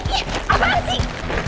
ih apaan sih